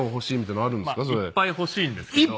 いっぱい欲しいんですけど。